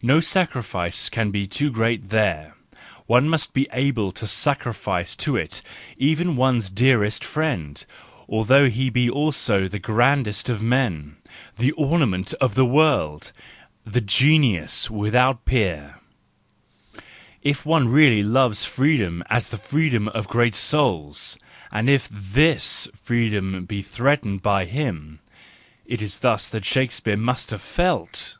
No sacrifice can be too great there: one must be able to sacrifice to it even one's dearest friend, though he be also the grandest of men, the ornament of the world, the genius without peer,—if one really loves freedom as the freedom of great souls, and if this freedom be threatened by him :—it is thus that Shakespeare must have felt!